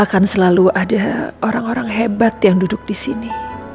akan selalu ada orang orang hebat yang duduk disini